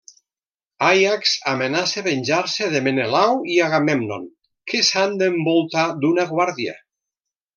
Àiax amenaça venjar-se de Menelau i Agamèmnon, que s'han d'envoltar d'una guàrdia.